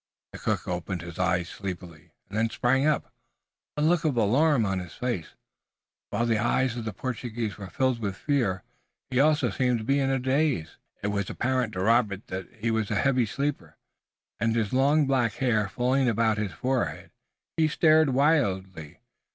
The cook opened his eyes sleepily, and then sprang up, a look of alarm on his face. While the eyes of the Portuguese were filled with fear, he also seemed to be in a daze. It was apparent to Robert that he was a heavy sleeper, and his long black hair falling about his forehead he stared wildly.